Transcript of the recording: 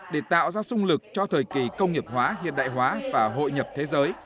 để tạo ra sung lực cho thời kỳ công nghiệp hóa hiện đại hóa và hội nhập thế giới